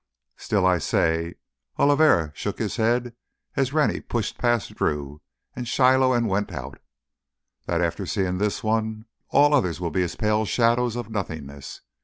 "Still I say"—Oliveri shook his head as Rennie pushed past Drew and Shiloh and went out—"that after seeing this one, all others will be as pale shadows of nothingness.